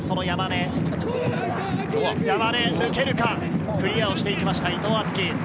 山根、抜けるか、クリアをしてきました伊藤敦樹。